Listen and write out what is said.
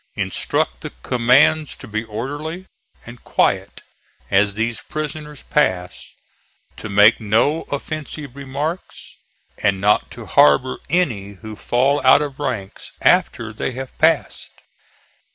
Instruct the commands to be orderly and quiet as these prisoners pass, to make no offensive remarks, and not to harbor any who fall out of ranks after they have passed."